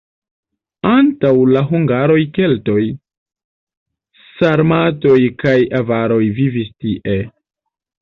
Antaŭ la hungaroj keltoj, sarmatoj kaj avaroj vivis tie.